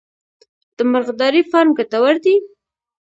د مرغدارۍ فارم ګټور دی؟